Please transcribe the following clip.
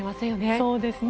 そうですね。